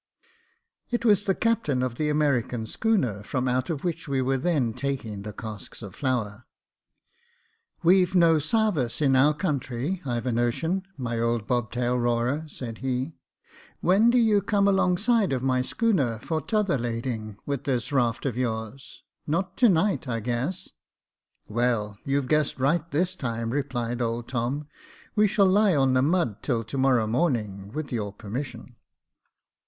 It was the captain of the American schooner, from out of M'hich we were then taking the casks of flour. " We've no service in our country, I've a notion, my old bobtail roarer," said he. " When do you come along side of my schooner, for t'other lading, with this raft of yours ? Not to night, I guess." "Well, you've guessed right this time," replied old Tom, " we shall lie on the mud till to morrow morning, with your permission."